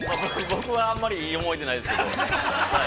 ◆僕はあんまり、いい思い出はないですけど。